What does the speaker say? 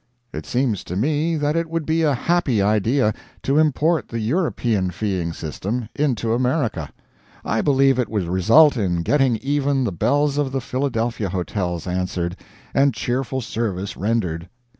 It seems to me that it would be a happy idea to import the European feeing system into America. I believe it would result in getting even the bells of the Philadelphia hotels answered, and cheerful service rendered.